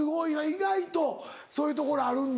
意外とそういうところあるんだ。